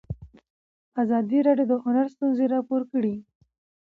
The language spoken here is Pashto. ازادي راډیو د هنر ستونزې راپور کړي.